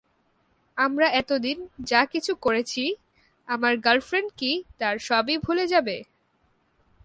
আমরা এতদিন যা কিছু করেছি, আমার গার্লফ্রেন্ড কি তার সবই ভুলে যাবে?